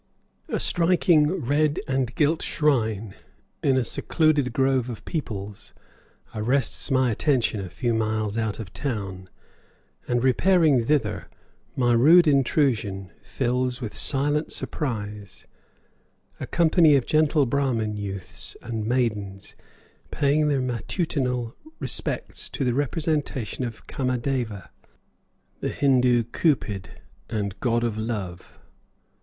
A striking red and gilt shrine in a secluded grove of peepuls arrests my attention a few miles out of town, and, repairing thither, my rude intrusion fills with silent surprise a company of gentle Brahman youths and maidens paying their matutinal respects to the representation of Kamadeva, the Hindoo cupid and god of love.